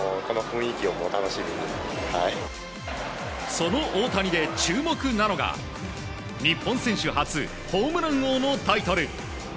その大谷で注目なのが日本選手初ホームラン王のタイトル。